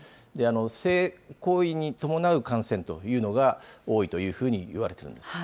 性行為に伴う感染というのが多いというふうにいわれているんです。